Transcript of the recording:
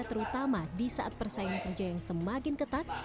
terutama di saat persaingan kerja yang semakin ketat